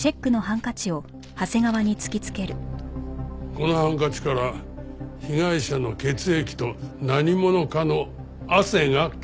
このハンカチから被害者の血液と何者かの汗が検出された。